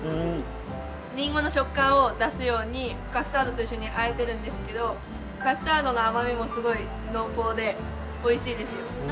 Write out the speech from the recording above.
りんごの食感を出すようにカスタードと一緒にあえてるんですけどカスタードの甘みもすごい濃厚でおいしいです。